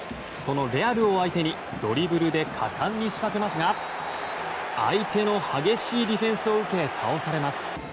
そのレアルを相手にドリブルで果敢に仕掛けますが相手の激しいディフェンスを受け倒されます。